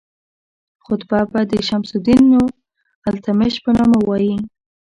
خطبه به د شمس الدین التمش په نامه وایي.